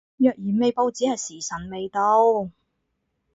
若然未報只係時辰未到